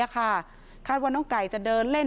คาดว่าน้องไก่จะเดินเล่น